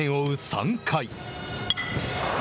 ３回。